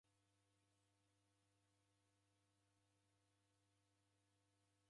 Dehamisha ofisi redu kwa iaghi iw'ishi.